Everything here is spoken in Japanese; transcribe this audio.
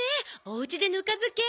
おうちでぬか漬け？